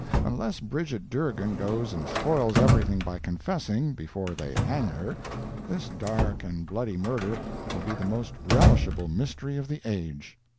Unless Bridget Durgan goes and spoils everything by confessing, before they hang her, this dark and bloody murder will be the most relishable mystery of the age.